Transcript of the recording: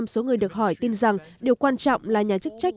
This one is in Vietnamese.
chín mươi hai số người được hỏi tin rằng điều quan trọng là nhà chức trách